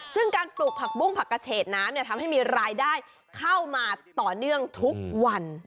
ซึ่งการปลูกผักบุ้งผักกระเฉดน้ำทำให้มีรายได้เข้ามาต่อเนื่องทุกวัน